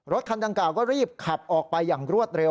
คันดังกล่าก็รีบขับออกไปอย่างรวดเร็ว